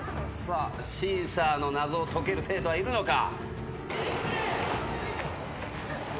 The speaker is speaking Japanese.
シーサーの謎を解ける生徒はいるのか？